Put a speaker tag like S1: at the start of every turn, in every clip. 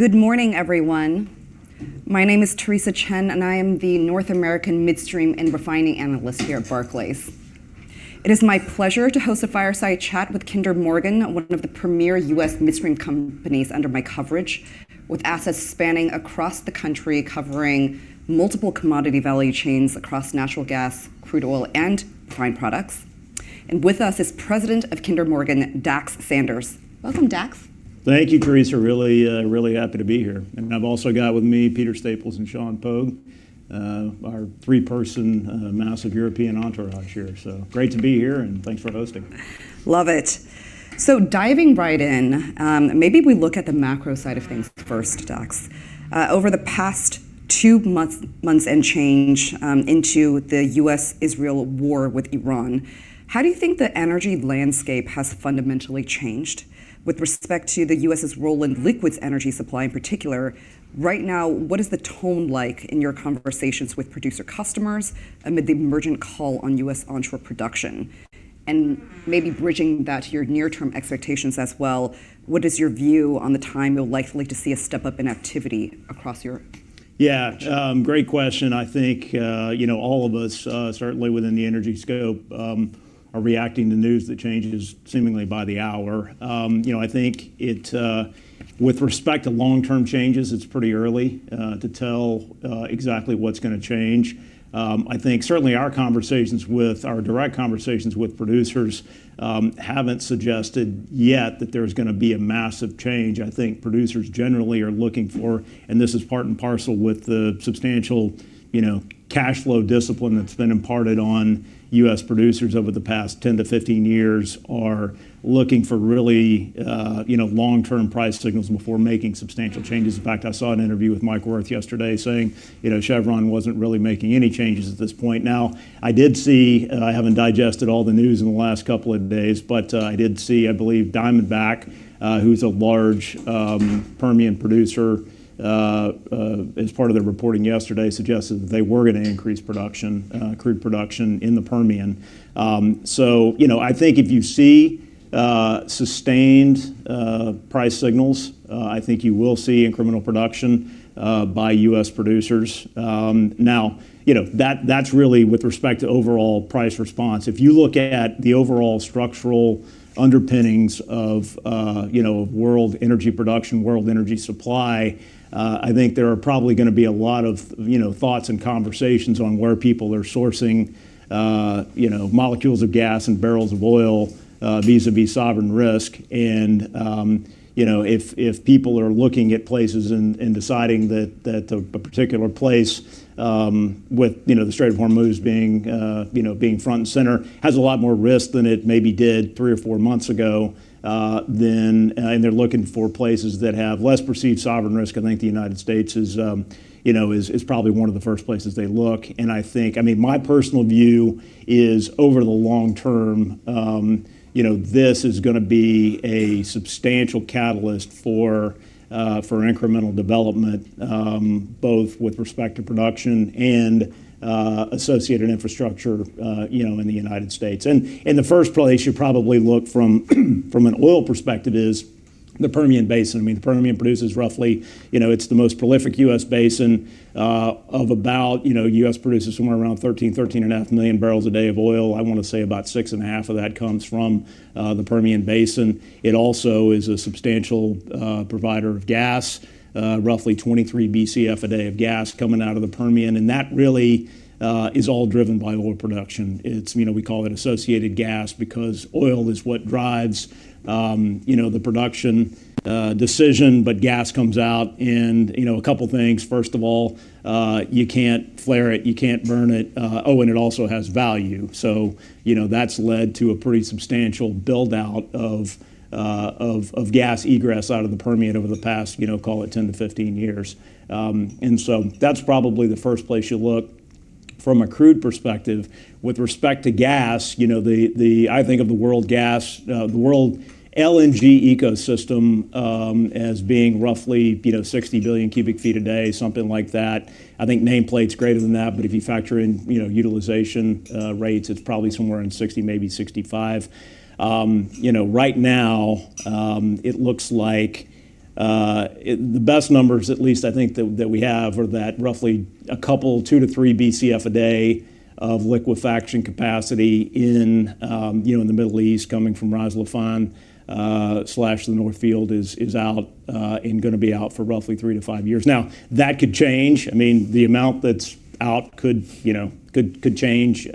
S1: Good morning, everyone. My name is Theresa Chen, and I am the North American Midstream and Refining Analyst here at Barclays. It is my pleasure to host a fireside chat with Kinder Morgan, one of the premier U.S. midstream companies under my coverage, with assets spanning across the country, covering multiple commodity value chains across natural gas, crude oil, and refined products. With us is President of Kinder Morgan, Dax Sanders. Welcome, Dax.
S2: Thank you, Theresa. Really, really happy to be here. I've also got with me Peter Staples and Sean Pogue, our three-person, massive European entourage here. Great to be here, and thanks for hosting.
S1: Love it. Diving right in, maybe we look at the macro side of things first, Dax. Over the past two months and change, into the U.S.-Israel war with Iran, how do you think the energy landscape has fundamentally changed with respect to the U.S.'s role in liquids energy supply in particular? Right now, what is the tone like in your conversations with producer customers amid the emergent call on U.S. onshore production? Maybe bridging that to your near-term expectations as well, what is your view on the time you're likely to see a step-up in activity across Europe?
S2: Yeah, great question. I think, you know, all of us, certainly within the energy scope, are reacting to news that changes seemingly by the hour. You know, I think it, with respect to long-term changes, it's pretty early to tell exactly what's gonna change. I think certainly our conversations with our direct conversations with producers haven't suggested yet that there's gonna be a massive change. I think producers generally are looking for, and this is part and parcel with the substantial, you know, cashflow discipline that's been imparted on U.S. producers over the past 10-15 years, are looking for really, you know, long-term price signals before making substantial changes. In fact, I saw an interview with Mike Wirth yesterday saying, you know, Chevron wasn't really making any changes at this point. I did see, and I haven't digested all the news in the last couple of days, I did see, I believe, Diamondback, who's a large Permian producer, as part of their reporting yesterday, suggested that they were gonna increase production, crude production in the Permian. You know, I think if you see sustained price signals, I think you will see incremental production by U.S. producers. Now, you know, that's really with respect to overall price response. If you look at the overall structural underpinnings of, you know, world energy production, world energy supply, I think there are probably gonna be a lot of, you know, thoughts and conversations on where people are sourcing, you know, molecules of gas and barrels of oil, vis-à-vis sovereign risk. You know, if people are looking at places and deciding that a particular place, with, you know, the Strait of Hormuz being, you know, being front and center, has a lot more risk than it maybe did three or four months ago, then and they're looking for places that have less perceived sovereign risk, I think the United States is, you know, is probably one of the first places they look. I think I mean, my personal view is, over the long term, you know, this is gonna be a substantial catalyst for incremental development, both with respect to production and associated infrastructure, you know, in the United States. In the first place you probably look from an oil perspective is the Permian Basin. I mean, the Permian produces roughly, you know, it's the most prolific U.S. basin, of about, you know, U.S. produces somewhere around 13.5 million barrels a day of oil. I wanna say about 6.5 million barrels of that comes from the Permian Basin. It also is a substantial provider of gas, roughly 23 Bcf a day of gas coming out of the Permian, and that really is all driven by oil production. It's, you know, we call it associated gas because oil is what drives, you know, the production decision, but gas comes out and, you know, a couple things. First of all, you can't flare it, you can't burn it. It also has value. You know, that's led to a pretty substantial build-out of gas egress out of the Permian over the past, you know, call it 10-15 years. That's probably the first place you look from a crude perspective. With respect to gas, you know, I think of the world gas, the world LNG ecosystem as being roughly, you know, 60 billion cu ft a day, something like that. I think nameplate's greater than that, but if you factor in, you know, utilization rates, it's probably somewhere around 60, maybe 65. You know, right now, the best numbers at least, I think, that we have are that roughly a couple, 2-3 Bcf a day of liquefaction capacity in, you know, in the Middle East coming from Ras Laffan, slash the North Field is out and gonna be out for roughly 3-5 years. That could change. I mean, the amount that's out could, you know, could change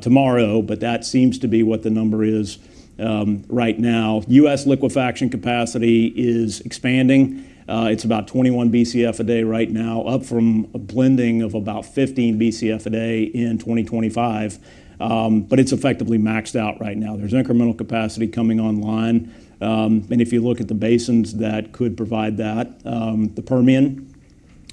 S2: tomorrow, that seems to be what the number is right now. U.S. liquefaction capacity is expanding. It's about 21 Bcf a day right now, up from a blending of about 15 Bcf a day in 2025. It's effectively maxed out right now. There's incremental capacity coming online. If you look at the basins that could provide that, the Permian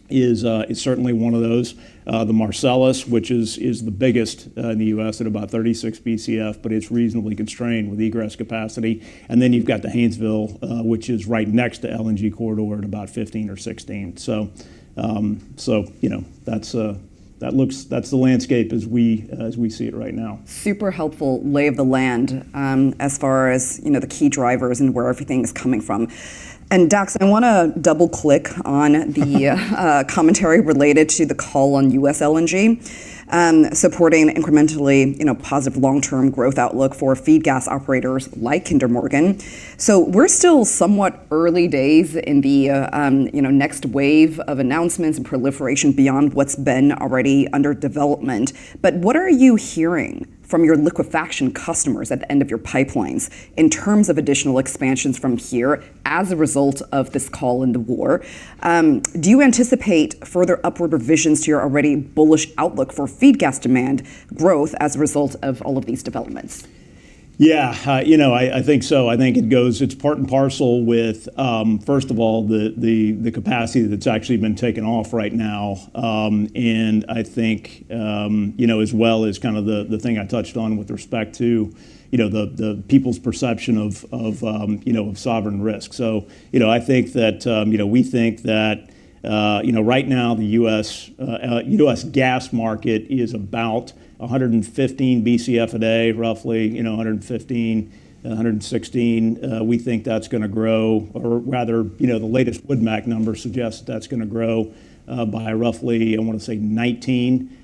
S2: is certainly one of those. The Marcellus, which is the biggest in the U.S. at about 36 Bcf, but it's reasonably constrained with egress capacity. You've got the Haynesville, which is right next to LNG Corridor at about 15 Bcf or 16 Bcf. You know, that's the landscape as we see it right now.
S1: Super helpful lay of the land, as far as, you know, the key drivers and where everything is coming from. Dax, I wanna double-click on the commentary related to the call on U.S. LNG, supporting incrementally, you know, positive long-term growth outlook for feed gas operators like Kinder Morgan. We're still somewhat early days in the, you know, next wave of announcements and proliferation beyond what's been already under development. What are you hearing from your liquefaction customers at the end of your pipelines in terms of additional expansions from here as a result of this call and the war? Do you anticipate further upward revisions to your already bullish outlook for feed gas demand growth as a result of all of these developments?
S2: Yeah. You know, I think so. I think it goes. It's part and parcel with, first of all, the capacity that's actually been taken off right now, and I think, you know, as well as kind of the thing I touched on with respect to, you know, the people's perception of, you know, sovereign risk. You know, I think that, you know, we think that, you know, right now the U.S., U.S. gas market is about 115 Bcf a day, roughly, you know, 115 Bcf, 116 Bcf. We think that's gonna grow, or rather, you know, the latest WoodMac numbers suggest that's gonna grow, by roughly, I wanna say 19 Bcf,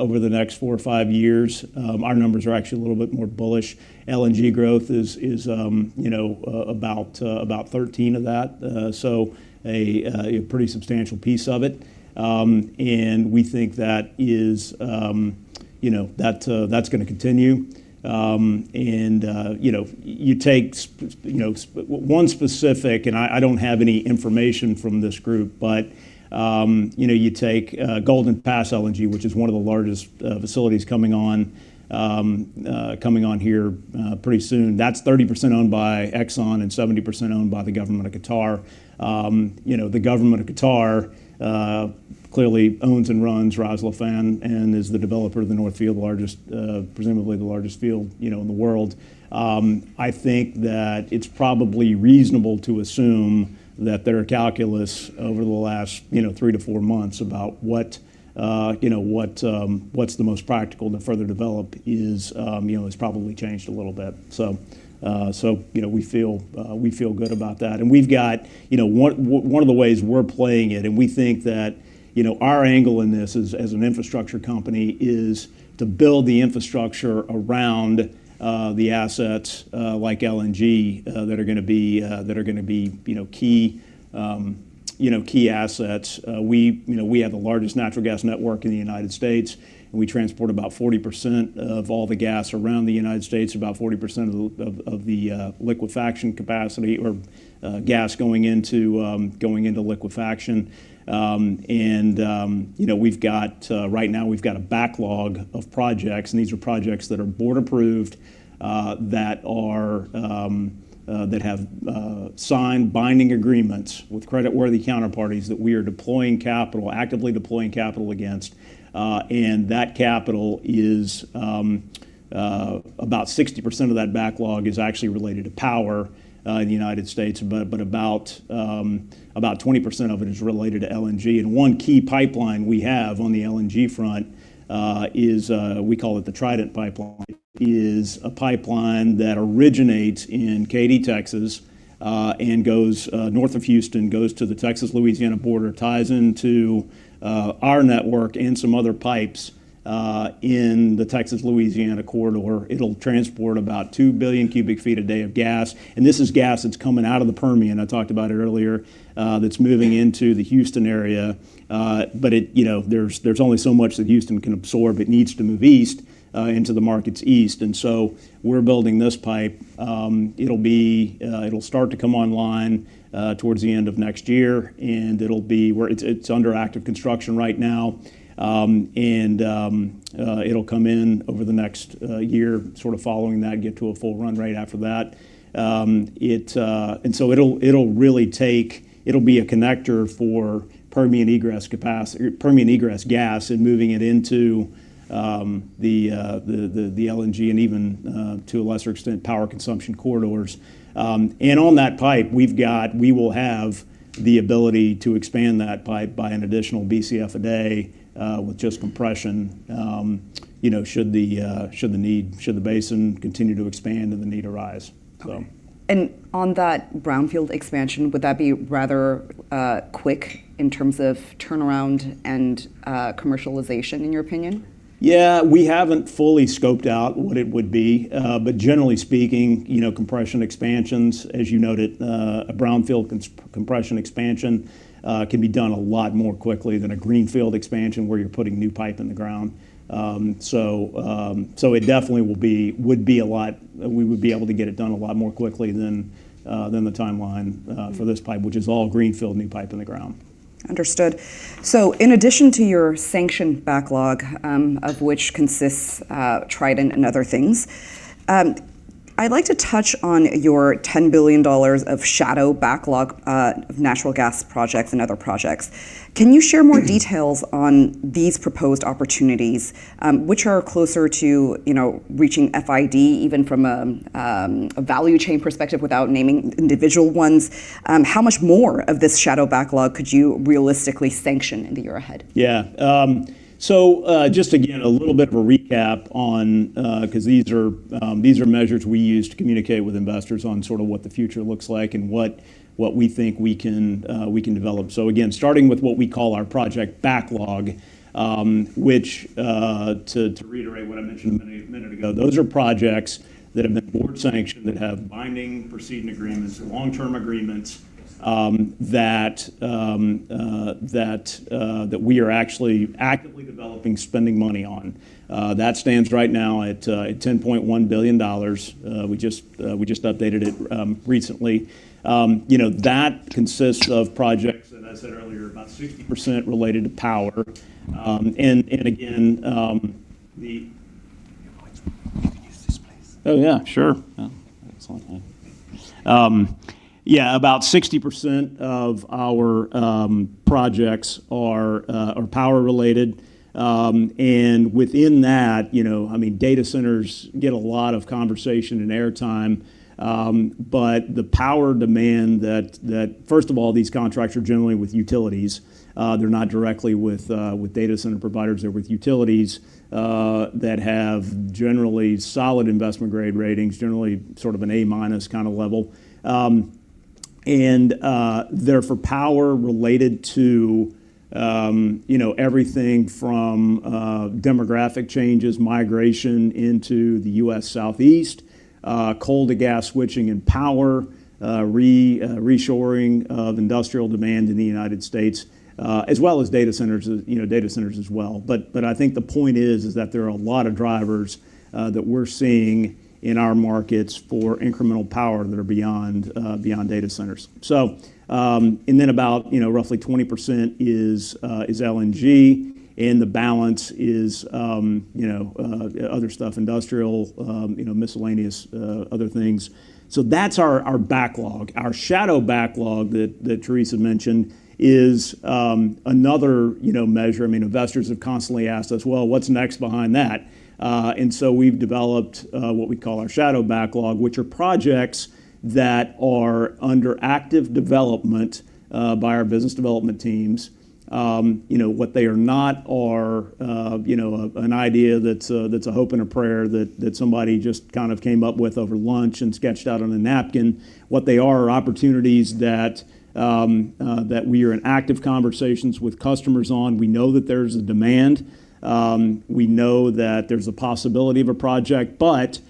S2: over the next four or five years. Our numbers are actually a little bit more bullish. LNG growth is you know about 13 Bcf of that, so a pretty substantial piece of it. We think that is you know that that's gonna continue. You know you take one specific, and I don't have any information from this group, but you know you take Golden Pass LNG, which is one of the largest facilities coming on here pretty soon. That's 30% owned by Exxon and 70% owned by the government of Qatar. You know, the government of Qatar clearly owns and runs Ras Laffan and is the developer of the North Field, largest presumably the largest field you know in the world. I think that it's probably reasonable to assume that their calculus over the last, you know, 3 to 4 months about what, you know, what's the most practical to further develop is, you know, has probably changed a little bit. We feel, we feel good about that. We've got, you know, one of the ways we're playing it, and we think that, you know, our angle in this is, as an infrastructure company, is to build the infrastructure around, the assets, like LNG, that are gonna be, you know, key, you know, key assets. We, you know, we have the largest natural gas network in the United States, and we transport about 40% of all the gas around the United States about 40% of the liquefaction capacity or gas going into liquefaction. You know, we've got right now we've got a backlog of projects, and these are projects that are board approved, that have signed binding agreements with creditworthy counterparties that we are deploying capital, actively deploying capital against. That capital is about 60% of that backlog is actually related to power in the U.S., but about 20% of it is related to LNG. One key pipeline we have on the LNG front is we call it the Trident Pipeline, is a pipeline that originates in Katy, Texas, and goes north of Houston, goes to the Texas-Louisiana border, ties into our network and some other pipes in the Texas-Louisiana corridor. It'll transport about 2 billion cu ft a day of gas, this is gas that's coming out of the Permian, I talked about it earlier, that's moving into the Houston area. It, you know, there's only so much that Houston can absorb. It needs to move east into the markets east. We're building this pipe. It'll start to come online towards the end of next year, it's under active construction right now. It'll come in over the next year sort of following that, get to a full run-rate after that. It'll be a connector for Permian egress gas and moving it into the LNG and even to a lesser extent, power consumption corridors. On that pipe, we will have the ability to expand that pipe by an additional Bcf a day with just compression, you know, should the need, should the basin continue to expand and the need arise.
S1: Okay. On that brownfield expansion, would that be rather quick in terms of turnaround and commercialization in your opinion?
S2: Yeah. We haven't fully scoped out what it would be. Generally speaking, you know, compression expansions, as you noted, a brownfield compression expansion can be done a lot more quickly than a greenfield expansion where you're putting new pipe in the ground. We would be able to get it done a lot more quickly than the timeline for this pipe, which is all greenfield new pipe in the ground.
S1: Understood. In addition to your sanction backlog, of which consists, Trident and other things, I'd like to touch on your $10 billion of shadow backlog, natural gas projects and other projects. Can you share more details on these proposed opportunities? Which are closer to, you know, reaching FID, even from a value chain perspective, without naming individual ones? How much more of this shadow backlog could you realistically sanction in the year ahead?
S2: Yeah. Just again, a little bit of a recap on, 'cause these are measures we use to communicate with investors on sort of what the future looks like and what we think we can develop. Again, starting with what we call our project backlog, which to reiterate what I mentioned a minute ago, those are projects that have been board-sanctioned, that have binding proceeding agreements, long-term agreements, that we are actually actively developing spending money on. That stands right now at $10.1 billion. We just updated it recently. You know, that consists of projects, as I said earlier, about 60% related to power. Again.
S1: Your mic. You can use this please.
S2: Oh, yeah. Sure.
S1: Yeah. Excellent.
S2: Yeah, about 60% of our projects are power-related. Within that, you know, I mean, data centers get a lot of conversation and airtime, but the power demand that First of all, these contracts are generally with utilities. They're not directly with data center providers. They're with utilities that have generally solid investment-grade ratings, generally sort of an A- kinda level. They're for power related to, you know, everything from demographic changes, migration into the U.S. Southeast, coal to gas switching and power, re, reshoring of industrial demand in the United States, as well as data centers, you know, data centers as well. I think the point is that there are a lot of drivers that we're seeing in our markets for incremental power that are beyond beyond data centers. About, you know, roughly 20% is LNG, and the balance is, you know, other stuff, industrial, you know, miscellaneous other things. That's our backlog. Our shadow backlog that Theresa mentioned is another, you know, measure. I mean, investors have constantly asked us, "Well, what's next behind that?" We've developed what we call our shadow backlog, which are projects that are under active development by our business development teams. You know, what they are not are, you know, an idea that's a, that's a hope and a prayer that somebody just kind of came up with over lunch and sketched out on a napkin. What they are are opportunities that we are in active conversations with customers on. We know that there's a demand. We know that there's a possibility of a project, but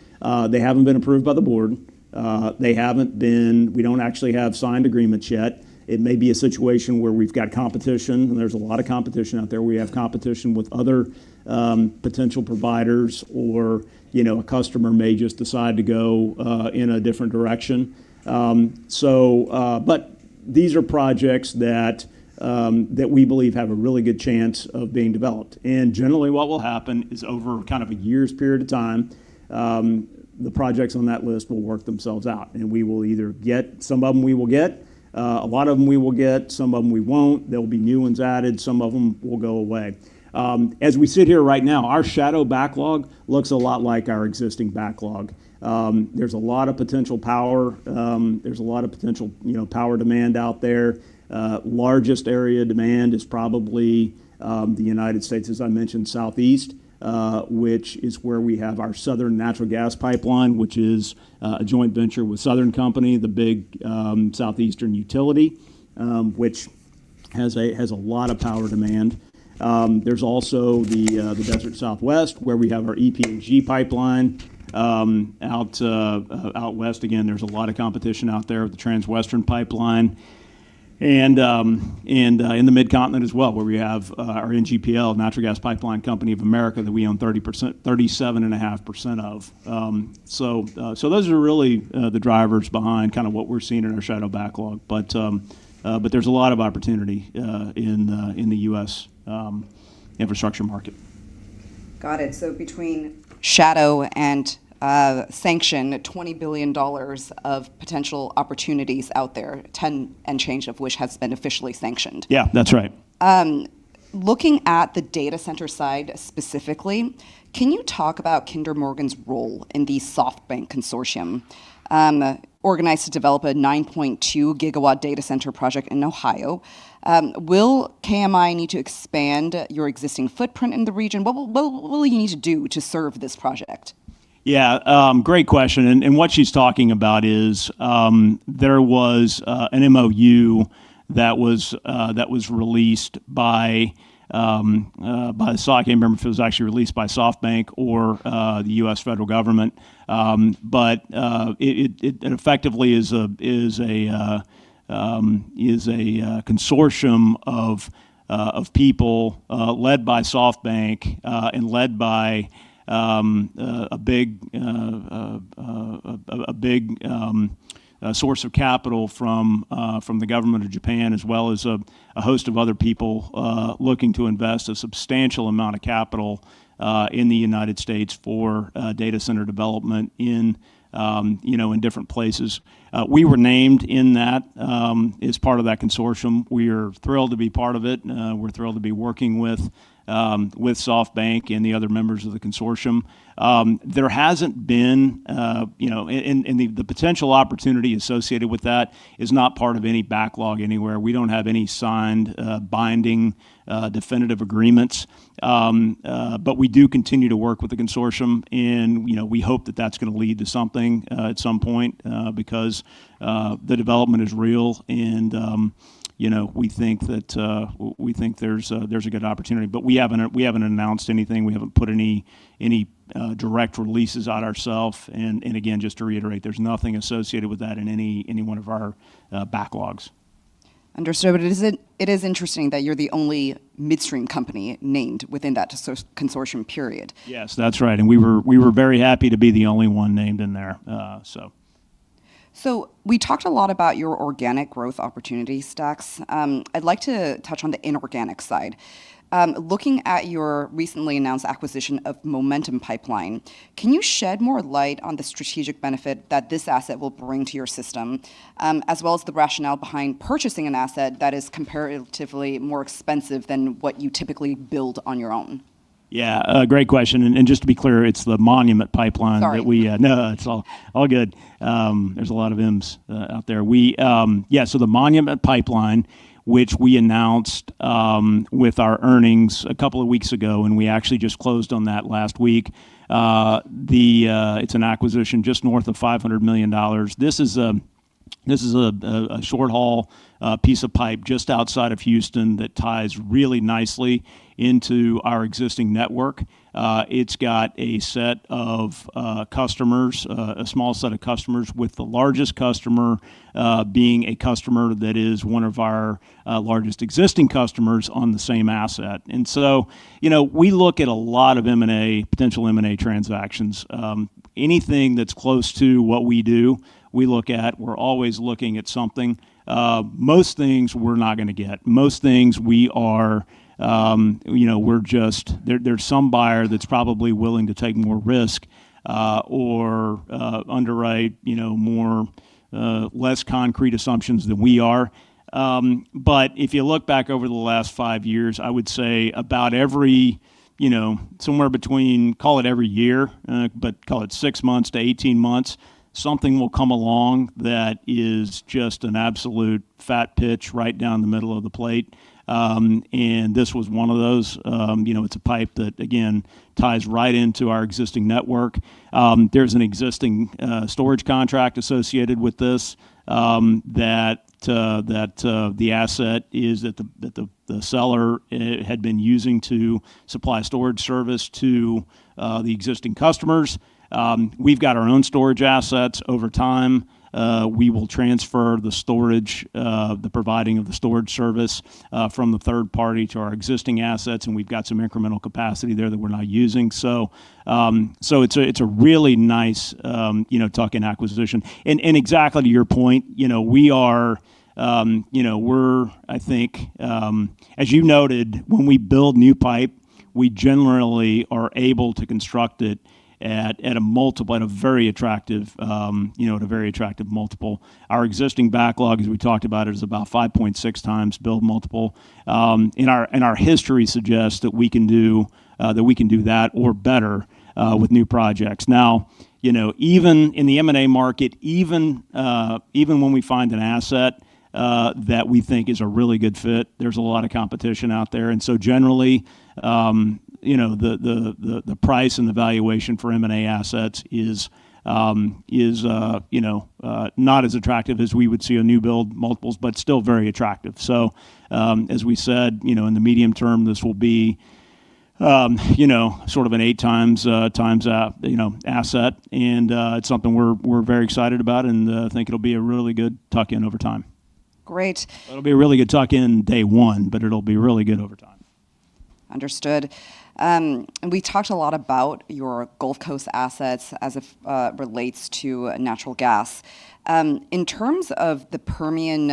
S2: they haven't been approved by the Board. We don't actually have signed agreements yet. It may be a situation where we've got competition, and there's a lot of competition out there. We have competition with other potential providers or, you know, a customer may just decide to go in a different direction. These are projects that we believe have a really good chance of being developed. Generally, what will happen is over kind of a year's period of time, the projects on that list will work themselves out, and we will either get Some of them we will get. A lot of them we will get. Some of them we won't. There'll be new ones added. Some of them will go away. As we sit here right now, our shadow backlog looks a lot like our existing backlog. There's a lot of potential power. There's a lot of potential, you know, power demand out there. Largest area demand is probably the United States, as I mentioned, Southeast, which is where we have our Southern Natural Gas pipeline, which is a joint venture with Southern Company, the big southeastern utility, which has a lot of power demand. There's also the desert southwest, where we have our EPNG pipeline out west. Again, there's a lot of competition out there with the Transwestern Pipeline and in the mid-continent as well, where we have our NGPL, Natural Gas Pipeline Company of America, that we own 37.5% of. Those are really the drivers behind kinda what we're seeing in our shadow backlog. There's a lot of opportunity in the U.S. infrastructure market.
S1: Got it. Between shadow and sanction, $20 billion of potential opportunities out there, 10 and change of which has been officially sanctioned.
S2: Yeah, that's right.
S1: Looking at the data center side specifically, can you talk about Kinder Morgan's role in the SoftBank consortium, organized to develop a 9.2 GW data center project in Ohio? Will KMI need to expand your existing footprint in the region? What will you need to do to serve this project?
S2: Yeah. Great question. What she's talking about is there was an MOU that was released by, so I can't remember if it was actually released by SoftBank or the U.S. federal government. It effectively is a consortium of people led by SoftBank and led by a big source of capital from the government of Japan, as well as a host of other people looking to invest a substantial amount of capital in the United States for data center development in, you know, different places. We were named in that as part of that consortium. We are thrilled to be part of it, and we're thrilled to be working with SoftBank and the other members of the consortium. There hasn't been, you know, and the potential opportunity associated with that is not part of any backlog anywhere. We don't have any signed, binding, definitive agreements. We do continue to work with the consortium and, you know, we hope that that's gonna lead to something at some point because the development is real and, you know, we think that we think there's a good opportunity. We haven't announced anything. We haven't put any direct releases out ourself and again, just to reiterate, there's nothing associated with that in any one of our backlogs.
S1: Understood. It is interesting that you're the only midstream company named within that consortium, period.
S2: Yes, that's right. We were very happy to be the only one named in there.
S1: We talked a lot about your organic growth opportunity stacks. I'd like to touch on the inorganic side. Looking at your recently announced acquisition of Momentum Pipeline, can you shed more light on the strategic benefit that this asset will bring to your system, as well as the rationale behind purchasing an asset that is comparatively more expensive than what you typically build on your own?
S2: Yeah. A great question. Just to be clear, it's the Monument Pipeline.
S1: Sorry
S2: that we, no, it's all good. There's a lot of M's out there. Yeah, the Monument Pipeline, which we announced with our earnings a couple of weeks ago, and we actually just closed on that last week, it's an acquisition just north of $500 million. This is a short haul piece of pipe just outside of Houston that ties really nicely into our existing network. It's got a set of customers, a small set of customers with the largest customer being a customer that is one of our largest existing customers on the same asset. You know, we look at a lot of M&A, potential M&A transactions. Anything that's close to what we do, we look at. We're always looking at something. Most things we're not gonna get. Most things we are, you know, we're just. There's some buyer that's probably willing to take more risk, or underwrite, you know, more, less concrete assumptions than we are. If you look back over the last 5 years, I would say about every, you know, somewhere between, call it every year, but call it 6 months to 18 months, something will come along that is just an absolute fat pitch right down the middle of the plate. This was one of those. You know, it's a pipe that, again, ties right into our existing network. There's an existing storage contract associated with this that the asset is at the seller had been using to supply storage service to the existing customers. We've got our own storage assets over time. We will transfer the storage, the providing of the storage service, from the third party to our existing assets, and we've got some incremental capacity there that we're not using. It's a really nice, you know, tuck-in acquisition. Exactly to your point, you know, we are, you know, we're, I think, as you noted, when we build new pipe, we generally are able to construct it at a multiple, at a very attractive, you know, at a very attractive multiple. Our existing backlog, as we talked about, is about 5.6x build multiple. Our history suggests that we can do that or better with new projects. Now, you know, even in the M&A market, even when we find an asset, that we think is a really good fit, there's a lot of competition out there. Generally, you know, the price and the valuation for M&A assets is, you know, not as attractive as we would see on new build multiples, but still very attractive. As we said, you know, in the medium term, this will be, you know, sort of an eight times, you know, asset and, it's something we're very excited about and, think it'll be a really good tuck-in over time.
S1: Great.
S2: It'll be a really good tuck-in day one, but it'll be really good over time.
S1: Understood. We talked a lot about your Gulf Coast assets as it relates to natural gas. In terms of the Permian,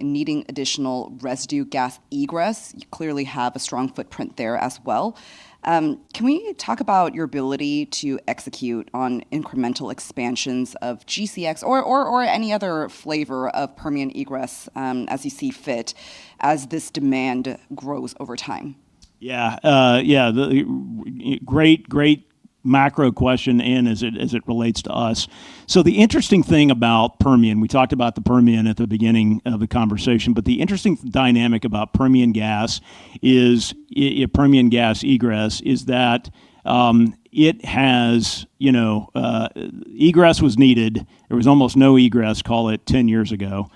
S1: needing additional residue gas egress, you clearly have a strong footprint there as well. Can we talk about your ability to execute on incremental expansions of GCX or any other flavor of Permian egress, as you see fit as this demand grows over time?
S2: Yeah. Great macro question, and as it relates to us. The interesting thing about Permian, we talked about the Permian at the beginning of the conversation, but the interesting dynamic about Permian gas is Permian gas egress, is that it has, you know, egress was needed. There was almost no egress, call it 10 years ago.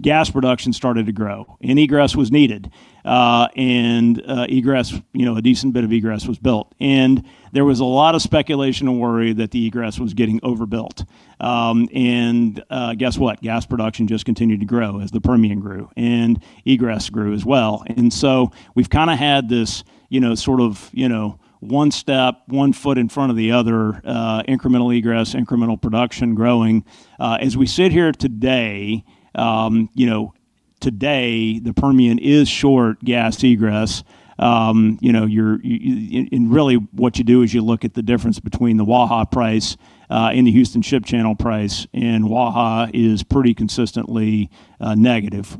S2: Gas production started to grow, and egress was needed. Egress, you know, a decent bit of egress was built. There was a lot of speculation and worry that the egress was getting overbuilt. Guess what? Gas production just continued to grow as the Permian grew, and egress grew as well. We've kind of had this, you know, sort of, you know, one step, one foot in front of the other, incremental egress, incremental production growing. As we sit here today, you know, today the Permian is short gas egress. You know, and really what you do is you look at the difference between the Waha price, and the Houston Ship Channel price, and Waha is pretty consistently negative,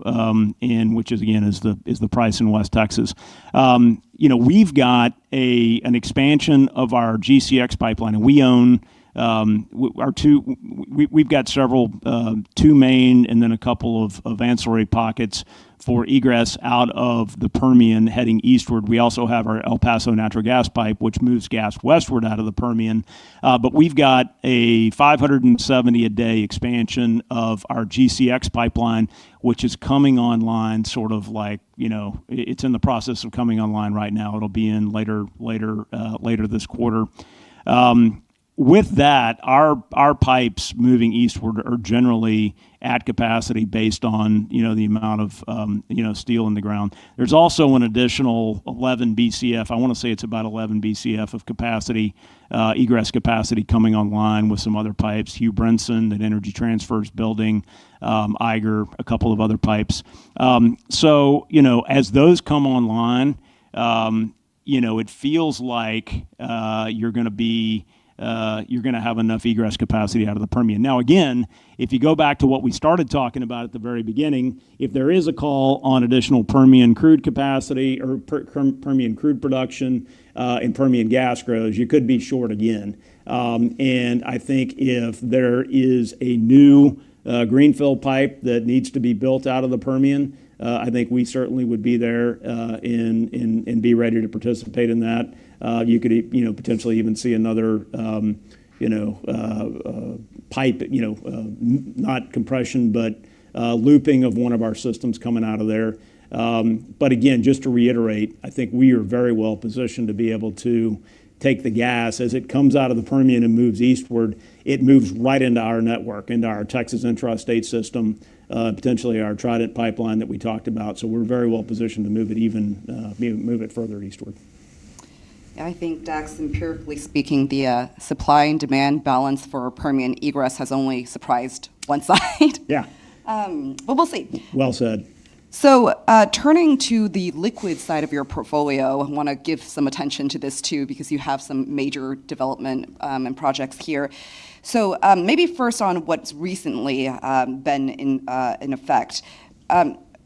S2: which is again, is the price in West Texas. You know, we've got an expansion of our GCX pipeline, and we own, we've got several, two main and then a couple of ancillary pockets for egress out of the Permian heading eastward. We also have our El Paso Natural Gas pipe, which moves gas westward out of the Permian. We've got a 570 a day expansion of our GCX pipeline, which is coming online sort of like, you know, it's in the process of coming online right now. It'll be in later this quarter. With that, our pipes moving eastward are generally at capacity based on, you know, the amount of, you know, steel in the ground. There's also an additional 11 Bcf. I wanna say it's about 11 Bcf of capacity, egress capacity coming online with some other pipes. Hugh Brinson, that Energy Transfer is building, Eiger, a couple of other pipes. You know, as those come online, you know, it feels like, you're gonna have enough egress capacity out of the Permian. Now, again, if you go back to what we started talking about at the very beginning, if there is a call on additional Permian crude capacity or Permian crude production, and Permian gas grows, you could be short again. I think if there is a new, greenfield pipe that needs to be built out of the Permian, I think we certainly would be there, and be ready to participate in that. You could, you know, potentially even see another, you know, pipe, not compression, but, looping of one of our systems coming out of there. Again, just to reiterate, I think we are very well-positioned to be able to take the gas. As it comes out of the Permian and moves eastward, it moves right into our network, into our Texas intrastate system, potentially our Trident pipeline that we talked about. We're very well-positioned to move it even, move it further eastward.
S1: Yeah, I think, Dax, empirically speaking, the supply and demand balance for Permian egress has only surprised one side.
S2: Yeah.
S1: We'll see.
S2: Well said.
S1: Turning to the liquid side of your portfolio, I want to give some attention to this too because you have some major development and projects here. Maybe first on what's recently been in effect.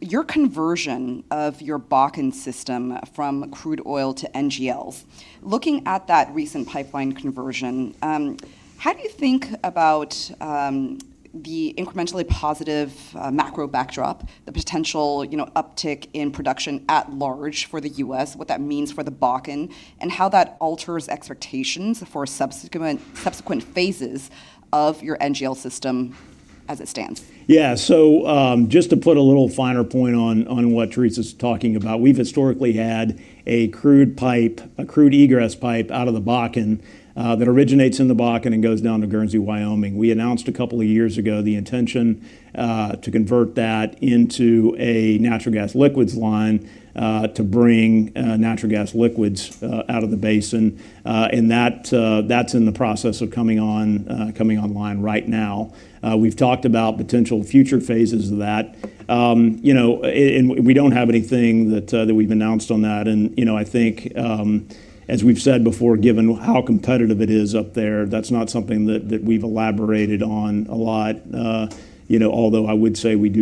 S1: Your conversion of your Bakken system from crude oil to NGLs. Looking at that recent pipeline conversion, how do you think about the incrementally positive macro backdrop, the potential, you know, uptick in production at large for the U.S., what that means for the Bakken, and how that alters expectations for subsequent phases of your NGL system as it stands?
S2: Yeah. Just to put a little finer point on what Theresa's talking about, we've historically had a crude pipe, a crude egress pipe out of the Bakken that originates in the Bakken and goes down to Guernsey, Wyoming. We announced a couple of years ago the intention to convert that into a natural gas liquids line to bring natural gas liquids out of the basin. And that's in the process of coming online right now. We've talked about potential future phases of that. You know, and we don't have anything that we've announced on that. You know, I think, as we've said before, given how competitive it is up there, that's not something that we've elaborated on a lot. you know, although I would say we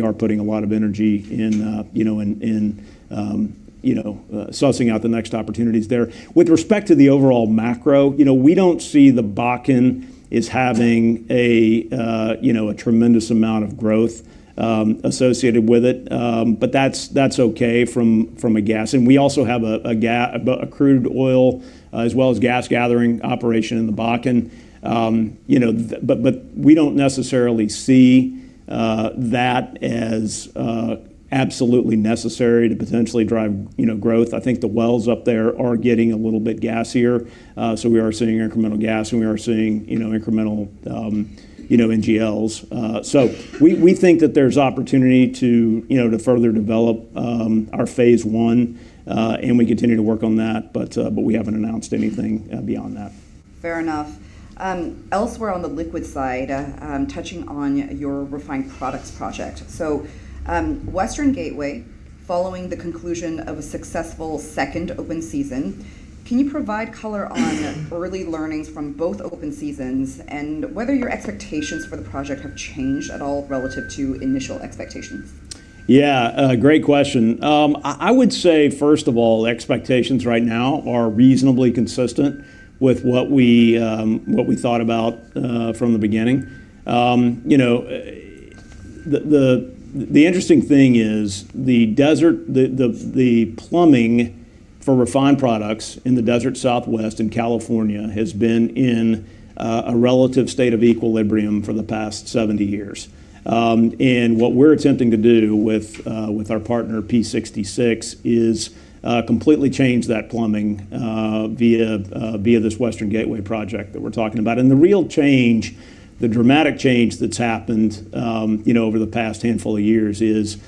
S2: are putting a lot of energy in, you know, in, you know, sussing out the next opportunities there. With respect to the overall macro, you know, we don't see the Bakken is having a, you know, a tremendous amount of growth associated with it. That's, that's okay from a gas. We also have a crude oil, as well as gas gathering operation in the Bakken. you know, we don't necessarily see that as absolutely necessary to potentially drive, you know, growth. I think the wells up there are getting a little bit gassier, so we are seeing incremental gas, and we are seeing, you know, incremental, you know, NGLs. We think that there's opportunity to, you know, to further develop our phase I, and we continue to work on that, but we haven't announced anything beyond that.
S1: Fair enough. Elsewhere on the liquid side, touching on your refined products project, Western Gateway, following the conclusion of a successful second open season, can you provide color on early learnings from both open seasons and whether your expectations for the project have changed at all relative to initial expectations?
S2: Yeah, a great question. I would say, first of all, expectations right now are reasonably consistent with what we thought about from the beginning. You know, the interesting thing is the plumbing for refined products in the Desert Southwest and California has been in a relative state of equilibrium for the past 70 years. What we're attempting to do with our partner P66 is completely change that plumbing via this Western Gateway project that we're talking about. The dramatic change that's happened, you know, over the past handful of years is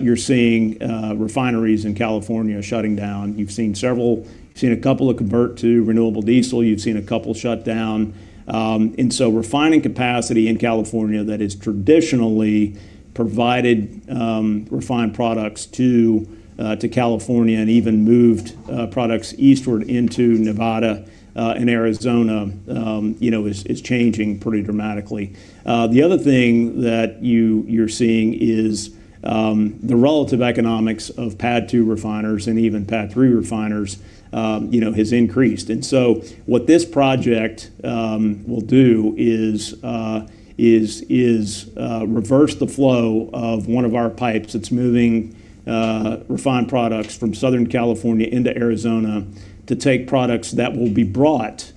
S2: you're seeing refineries in California shutting down. You've seen a couple have convert to renewable diesel. You've seen a couple shut down. Refining capacity in California that has traditionally provided refined products to California and even moved products eastward into Nevada and Arizona, you know, is changing pretty dramatically. The other thing that you're seeing is the relative economics of PADD 2 refiners and even PADD 3 refiners, you know, has increased. What this project will do is reverse the flow of one of our pipes that's moving refined products from Southern California into Arizona to take products that will be brought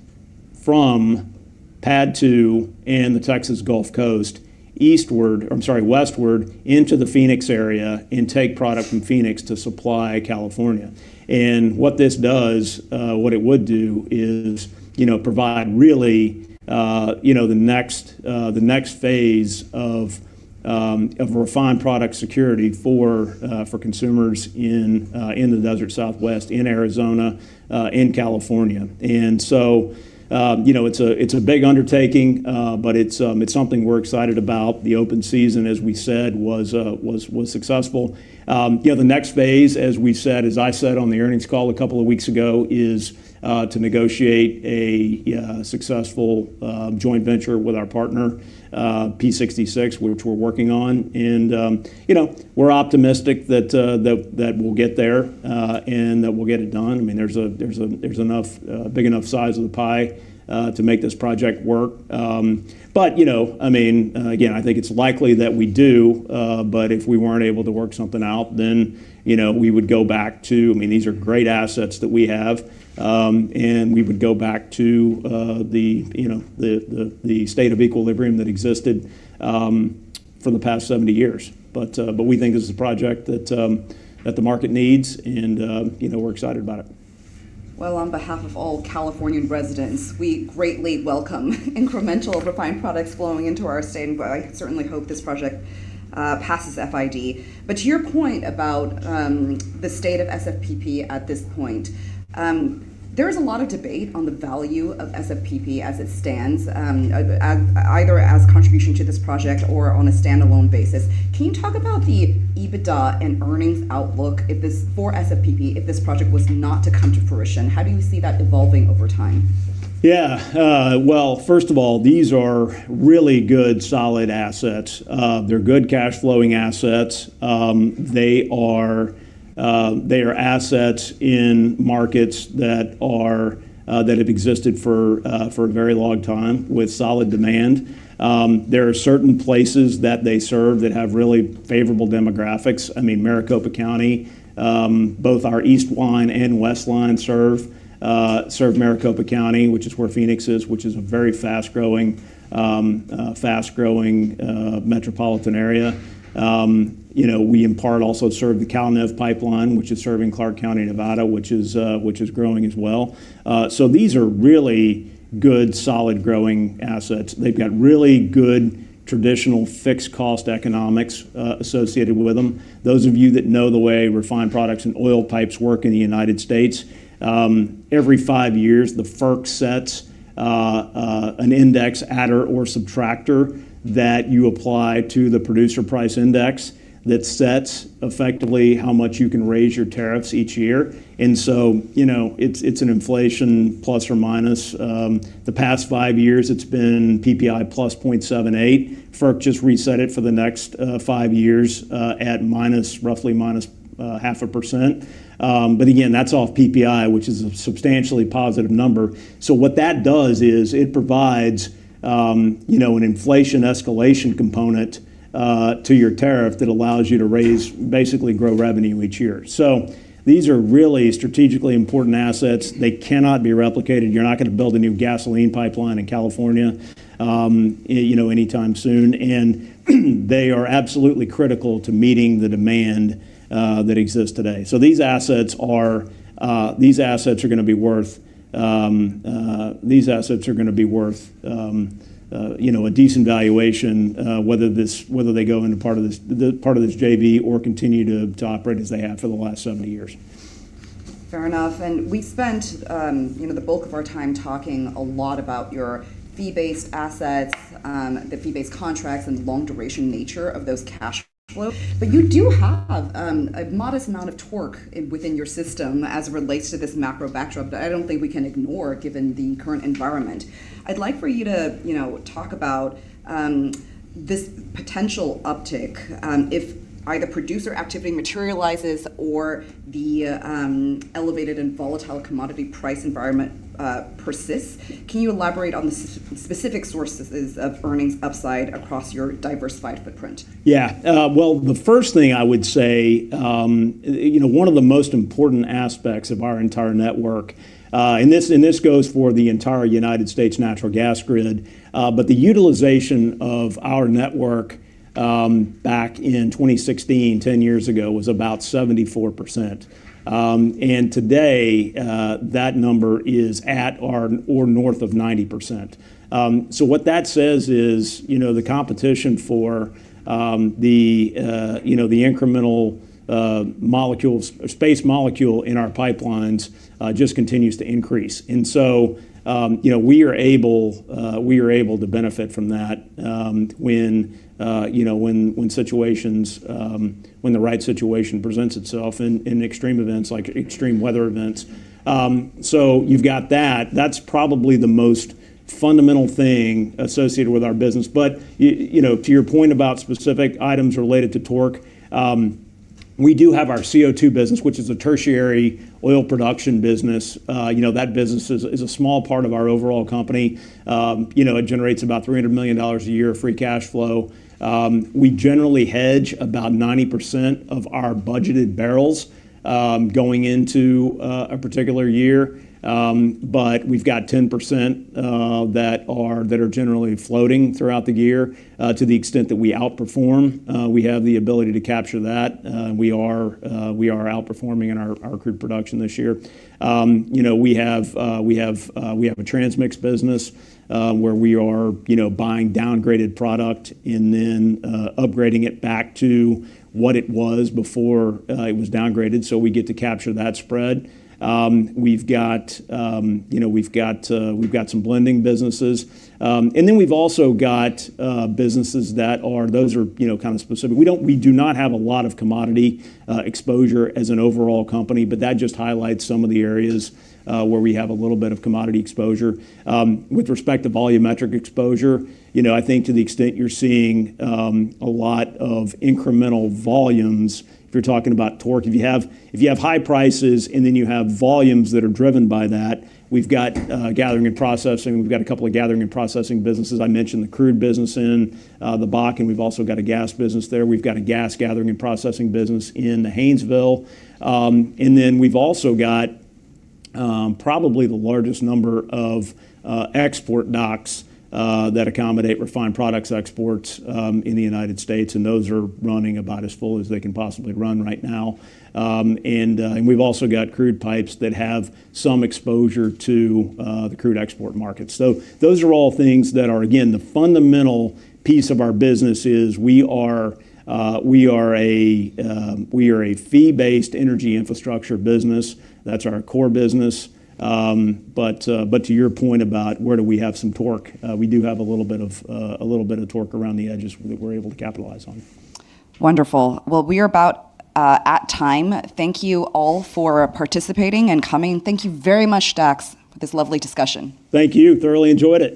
S2: from PADD 2 and the Texas Gulf Coast westward into the Phoenix area and take product from Phoenix to supply California. What this does, what it would do is, you know, provide really, you know, the next, the next phase of refined product security for consumers in the desert Southwest, in Arizona, in California. You know, it's a big undertaking, but it's something we're excited about. The open season, as we said, was successful. Yeah, the next phase, as we said, as I said on the earnings call a couple of weeks ago, is to negotiate a successful joint venture with our partner, P66, which we're working on. You know, we're optimistic that we'll get there and that we'll get it done. I mean, there's enough big enough slice of the pie to make this project work. You know, I mean, again, I think it's likely that we do, but if we weren't able to work something out, then, you know, we would go back to I mean, these are great assets that we have, and we would go back to, you know, the state of equilibrium that existed for the past 70 years. But we think this is a project that the market needs and, you know, we're excited about it.
S1: On behalf of all Californian residents, we greatly welcome incremental refined products flowing into our state, and well, I certainly hope this project passes FID. To your point about the state of SFPP at this point, there is a lot of debate on the value of SFPP as it stands, either as contribution to this project or on a standalone basis. Can you talk about the EBITDA and earnings outlook for SFPP if this project was not to come to fruition? How do you see that evolving over time?
S2: Yeah. First of all, these are really good solid assets. They're good cash flowing assets. They are assets in markets that have existed for a very long time with solid demand. There are certain places that they serve that have really favorable demographics. I mean, Maricopa County, both our east line and west line serve Maricopa County, which is where Phoenix is, which is a very fast-growing metropolitan area. You know, we in part also serve the Calnev Pipeline, which is serving Clark County, Nevada, which is growing as well. These are really good, solid, growing assets. They've got really good traditional fixed cost economics associated with them. Those of you that know the way refined products and oil pipes work in the United State evey five years, the FERC sets an index adder or subtractor that you apply to the Producer Price Index that sets effectively how much you can raise your tariffs each year. You know, it's an inflation plus or minus. The past 5 years, it's been PPI plus 0.78. FERC just reset it for the next 5 years at minus, roughly -0.5%. Again, that's off PPI, which is a substantially positive number. What that does is it provides, you know, an inflation escalation component to your tariff that allows you to basically grow revenue each year. These are really strategically important assets. They cannot be replicated. You're not gonna build a new gasoline pipeline in California, you know, anytime soon. They are absolutely critical to meeting the demand that exists today. These assets are gonna be worth, you know, a decent valuation, whether they go into part of this JV or continue to operate as they have for the last 70 years.
S1: Fair enough. We spent, you know, the bulk of our time talking a lot about your fee-based assets, the fee-based contracts and the long-duration nature of those cash flows. You do have a modest amount of torque within your system as it relates to this macro backdrop that I don't think we can ignore given the current environment. I'd like for you to, you know, talk about this potential uptick, if either producer activity materializes or the elevated and volatile commodity price environment persists. Can you elaborate on the specific sources of earnings upside across your diversified footprint?
S2: Yeah. Well, the first thing I would say, you know, one of the most important aspects of our entire network, and this, and this goes for the entire United States natural gas grid, but the utilization of our network, back in 2016, 10 years ago, was about 74%. Today, that number is at or north of 90%. What that says is, you know, the competition for the, you know, the incremental space molecule in our pipelines just continues to increase. You know, we are able, we are able to benefit from that, when, you know, when situations, when the right situation presents itself in extreme events like extreme weather events. You've got that. That's probably the most fundamental thing associated with our business. You know, to your point about specific items related to torque, we do have our CO2 business, which is a tertiary oil production business. You know, that business is a small part of our overall company. You know, it generates about $300 million a year free cash flow. We generally hedge about 90% of our budgeted barrels going into a particular year. We've got 10% that are generally floating throughout the year. To the extent that we outperform, we have the ability to capture that. We are outperforming in our crude production this year. You know, we have a transmix business, where we are, you know, buying downgraded product and then upgrading it back to what it was before it was downgraded, so we get to capture that spread. You know, we've got some blending businesses. And then we've also got businesses that are, you know, kind of specific. We do not have a lot of commodity exposure as an overall company, but that just highlights some of the areas where we have a little bit of commodity exposure. With respect to volumetric exposure, you know, I think to the extent you're seeing a lot of incremental volumes, if you're talking about torque. If you have high prices and then you have volumes that are driven by that, we've got gathering and processing. We've got a couple of gathering and processing businesses. I mentioned the crude business in the Bakken. We've also got a gas business there. We've got a gas gathering and processing business in Haynesville. We've also got probably the largest number of export docks that accommodate refined products exports in the United States and those are running about as full as they can possibly run right now. We've also got crude pipes that have some exposure to the crude export market. Those are all things that again, the fundamental piece of our business is we are a fee-based energy infrastructure business. That's our core business. To your point about where do we have some torque, we do have a little bit of torque around the edges that we're able to capitalize on.
S1: Wonderful. Well, we are about at time. Thank you all for participating and coming. Thank you very much, Dax, for this lovely discussion.
S2: Thank you. Thoroughly enjoyed it.